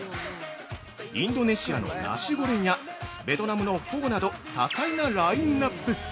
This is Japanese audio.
インドネシアのナシゴレンやベトナムのフォーなど多彩なラインナップ。